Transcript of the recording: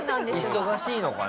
忙しいのかな？